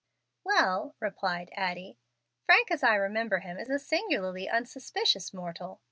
"Well," replied Addie, "Frank, as I remember him, is a singularly unsuspicious mortal.